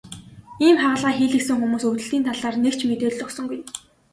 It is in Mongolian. Ийм хагалгаа хийлгэсэн хүмүүс өвдөлтийн талаар нэг ч мэдээлэл өгсөнгүй.